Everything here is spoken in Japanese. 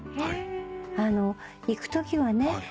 あの行くときはね